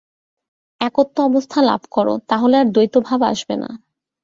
একত্ব-অবস্থা লাভ কর, তা হলে আর দ্বৈতভাব আসবে না।